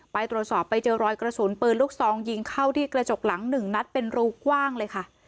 ไปตรวจสอบไปเจอรอยกระสุนปืนลูกซองยิงเข้าที่กระจกหลังหนึ่งนัดเป็นรูกว้างเลยค่ะ